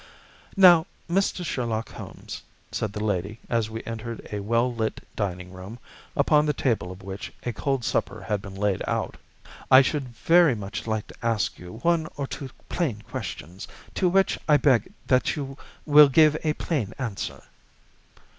"Now, Mr. Sherlock Holmes," said the lady as we entered a well lit dining room, upon the table of which a cold supper had been laid out, "I should very much like to ask you one or two plain questions, to which I beg that you will give a plain answer."